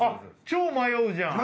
超迷うじゃん